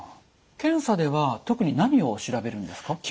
検査では特に何を調べるんですか？